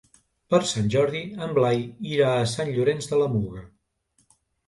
Per Sant Jordi en Blai irà a Sant Llorenç de la Muga.